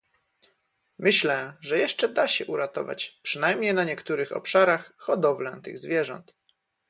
Myślę, że jeszcze da się uratować, przynajmniej na niektórych obszarach, hodowlę tych zwierząt